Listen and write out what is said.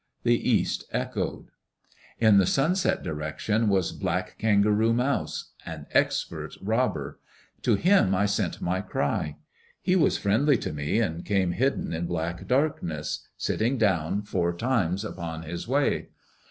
The east echoed. In the sunset direction was Black Kangaroo Mouse, an expert robber. To him I sent my cry. He was friendly to me and came hidden in black darkness, sitting down four times upon his way.